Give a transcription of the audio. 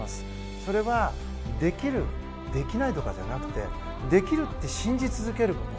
それはできる、できないとかじゃなくてできると信じ続けること。